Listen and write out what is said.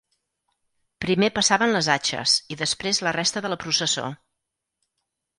Primer passaven les atxes i després la resta de la processó.